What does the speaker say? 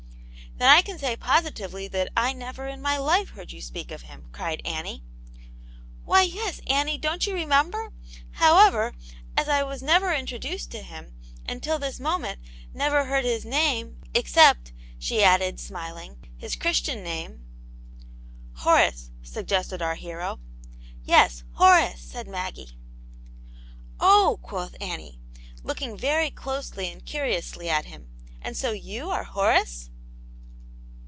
" Then I can say positively, that I never in my life heard you speak of him," cried Annie. " Why, yes, Annie, don't you remember ? How ever, as . I was never introduced to him, and, till this moment, never heard his name, except," she added, smiling, "his Christian name " 52 Aunt Jane's Hero. *' Horace/' suggested our hero. " Yes, Horace," said Maggie. " Oh !'' quoth Annie, looking very closely and curiously at him, " and so you are Horace